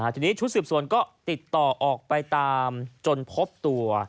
ทีนี้ชุดสืบสวนก็ติดต่อออกไปตามจนพบตัว